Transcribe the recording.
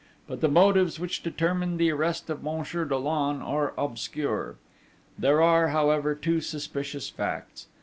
But the motives which determined the arrest of Monsieur Dollon are obscure. There are, however, two suspicious facts.